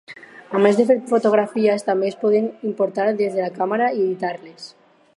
A més de fer fotografies, també es poden importar des de la càmera i editar-les.